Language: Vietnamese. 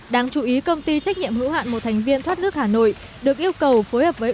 đáng chú ý công ty trách nhiệm hữu hạn một thành viên thoát nước hà nội được yêu cầu phối hợp với